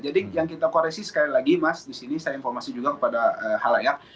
jadi yang kita koreksi sekali lagi mas disini saya informasi juga kepada hal layak